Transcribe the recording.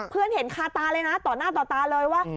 เห็นคาตาเลยนะต่อหน้าต่อตาเลยว่า